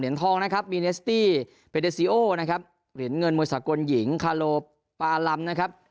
เหรียญทองนะครับนะครับเหรียญเงินมวยสากลหญิงนะครับ